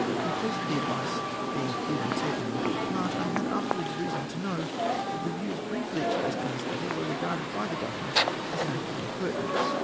In place of the advice being even taken in good part, I had afterwards reason to know, that the views briefly expressed in this letter were regarded by the government as an act of impertinence.